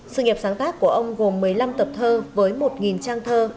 sự nghiệp sáng tác của ông gồm một mươi năm tập thơ với một trang thơ